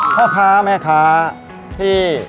พ่อค้าแม่ค้าที่